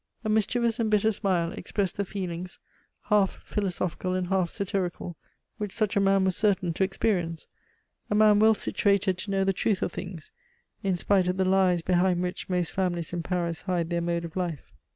A mischievous and bitter smile expressed the feelings, half philosophical and half satirical, which such a man was certain to experience a man well situated to know the truth of things in spite of the lies behind which most families in Paris hide their mode of life.